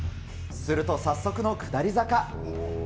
すると、早速の下り坂。